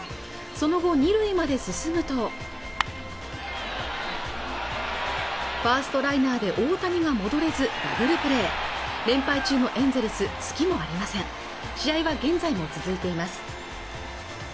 その後２塁まで進むとファーストライナーで大谷が戻れずダブルプレー連敗中のエンゼルスツキもありません試合は現在も続いています